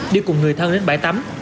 đi cùng người thân đến bãi tắm